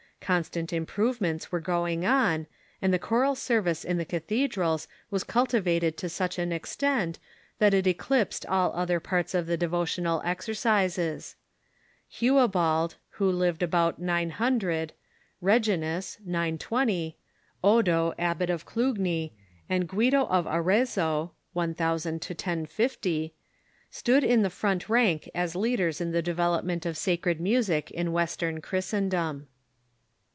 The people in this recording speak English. Constant improve ments were going on, and the choral service in the cathedrals was cultivated to such an extent that it eclipsed all other parts of the devotional exercises. Hucbald, who lived about 900, Reginus (920), Odo, Abbot of Clugny, and Guido of Arez zo (1000 1050), stood in the front rank as leaders in the devel opment of sacred music in Western Christendom.